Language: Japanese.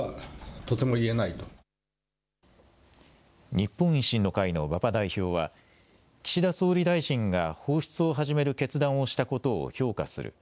日本維新の会の馬場代表は岸田総理大臣が放出を始める決断をしたことを評価する。